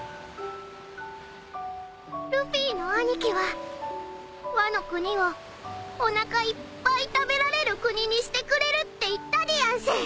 ルフィの兄貴はワノ国をおなかいっぱい食べられる国にしてくれるって言ったでやんす。